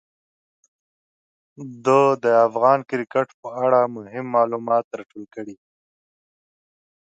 ده د افغان کرکټ په اړه مهم معلومات راټول کړي.